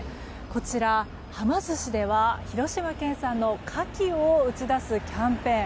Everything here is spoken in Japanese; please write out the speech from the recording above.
こちら、はま寿司では広島県産のカキを打ち出すキャンペーン。